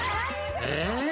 え？